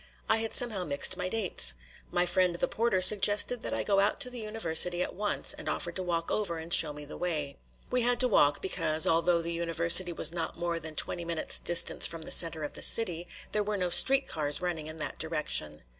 I had somehow mixed my dates. My friend the porter suggested that I go out to the University at once and offered to walk over and show me the way. We had to walk because, although the University was not more than twenty minutes' distance from the center of the city, there were no street cars running in that direction.